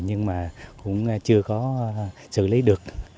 nhưng mà cũng chưa có xử lý được